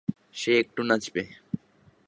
সে একটু নাচবে।